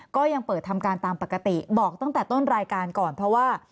ก็ยังเปิดทำการตามปกติบอกตั้งแต่ต้นรายการก่อนเพราะว่า